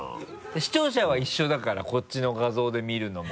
視聴者は一緒だからこっちの画像で見るのも。